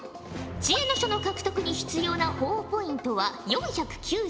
知恵の書の獲得に必要なほぉポイントは４９０。